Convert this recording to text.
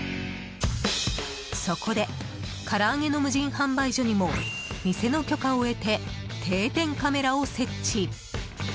そこでから揚げの無人販売所にも店の許可を得て定点カメラを設置。